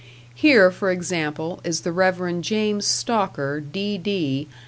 Here for example, is the Rev. James Stalker, D.D.